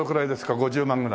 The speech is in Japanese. ５０万ぐらい？